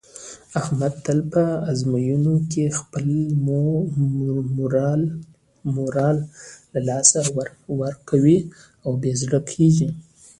احمد تل په ازموینه کې خپل مورال له لاسه ورکوي او بې زړه کېږي.